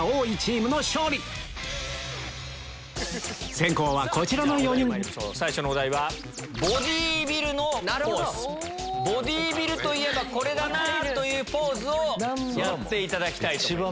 先攻はこちらの４人ボディービルといえばこれだな！というポーズをやっていただきたいと思います。